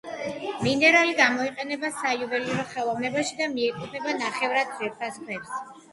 მინერალი გამოიყენება საიუველირო ხელოვნებაში და მიეკუთვნება ნახევრად ძვირფას ქვებს.